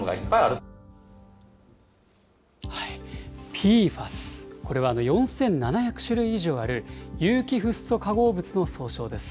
ＰＦＡＳ、これは４７００種類以上ある、有機フッ素化合物の総称です。